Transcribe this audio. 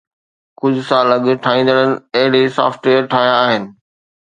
ڪجهه سال اڳ، ٺاهيندڙن اهڙي سافٽ ويئر ٺاهيا آهن